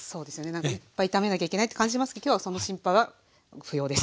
なんかいっぱい炒めなきゃいけないって感じますけど今日はその心配は不要です。